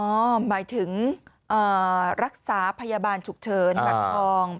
หมายถึงรักษาพยาบาลฉุกเฉินบัตรทอง